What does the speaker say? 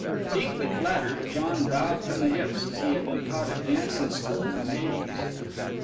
Deeply flattered, John bowed from the hips as he had been taught at dancing school in Hades.